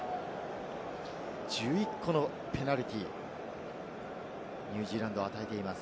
１１個のペナルティー、ニュージーランドは与えています。